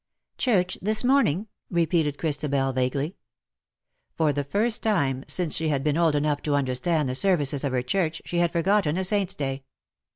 " Church this morning ?'' repeated Christabel, vaguely. For the first time since she had been old enough to understand the services of her Church, she had forgotten a Saint^s day.